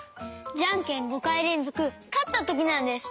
ジャンケン５かいれんぞくかったときなんです！